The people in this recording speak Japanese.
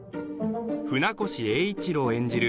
船越英一郎演じる